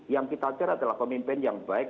yang kita cari adalah pemimpin yang baik